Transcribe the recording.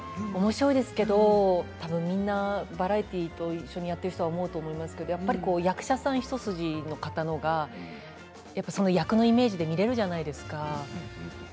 おもしろいですけどみんなバラエティーと一緒にやってる人は思うと思うんですが役者さん一筋の方のほうがその役のイメージに見れるじゃないですか。